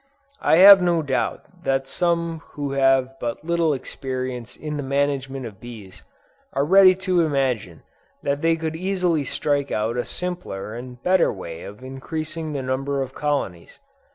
I have no doubt that some who have but little experience in the management of bees, are ready to imagine that they could easily strike out a simpler and better way of increasing the number of colonies.